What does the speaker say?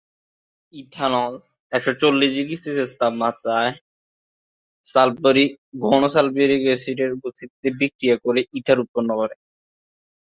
কিন্তু তার সৃষ্টিশীল মনের পরিধি সাহিত্যের সাথে ফোটোগ্রাফি, টাইপোগ্রাফি গ্রাফিক্স ইত্যাদির দিকে বিস্তৃত ছিল।